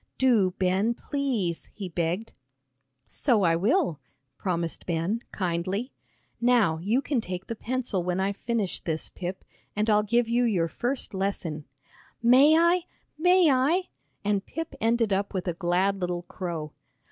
"Do, Ben, please," he begged. "So I will," promised Ben, kindly. "Now you can take the pencil when I've finished this, Pip, and I'll give you your first lesson." "May I? May I?" and Pip ended up with a glad little crow.